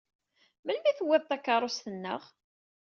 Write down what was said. Melmi i tewwiḍ takeṛṛust-nneɣ?